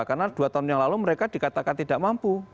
karena dua tahun yang lalu mereka dikatakan tidak mampu